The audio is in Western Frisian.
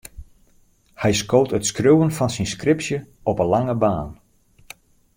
Hy skoot it skriuwen fan syn skripsje op 'e lange baan.